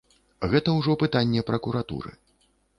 Гэта ўжо пытанне пракуратуры.